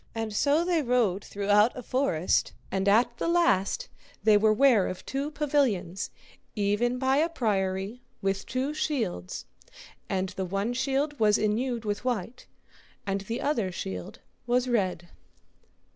And so they rode throughout a forest, and at the last they were ware of two pavilions, even by a priory, with two shields, and the one shield was enewed with white, and the other shield was red.